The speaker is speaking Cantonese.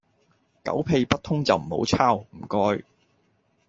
狗屁不通就唔好抄，唔該